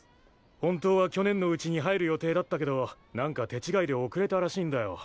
本当は去年のうちに入る予定だったけどなんか手違いで遅れたらしいんだよ。